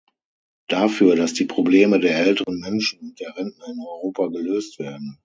Dafür, dass die Probleme der älteren Menschen und der Rentner in Europa gelöst werden.